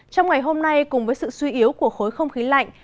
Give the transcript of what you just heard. trong ngày hôm nay cùng với sự suy yếu của khối không khí lạnh